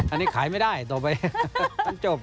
อันนี้ขายไม่ได้ต่อไปมันจบ